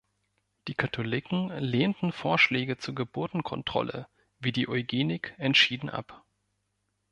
Die Katholiken lehnten Vorschläge zur Geburtenkontrolle wie die Eugenik entschieden ab.